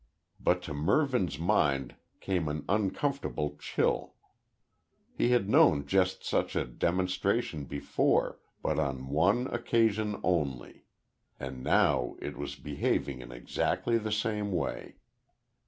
But to Mervyn's mind came an uncomfortable chill. He had known just such a demonstration before, but on one occasion only. And now it was behaving in exactly the same way.